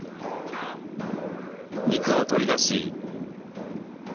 肉を取り出し。